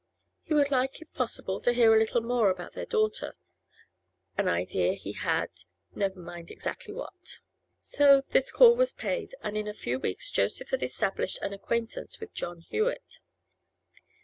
He would like, if possible, to hear a little more about their daughter; an idea he had—never mind exactly what. So this call was paid, and in a few weeks Joseph had established an acquaintance with John Hewett.